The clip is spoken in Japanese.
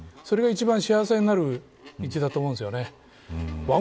それが一番幸せになる道だと思うんですよね。